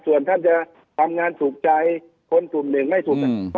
ส่วนท่านจะทำงานถูกใจคนกลุ่มหนึ่งไม่ถูก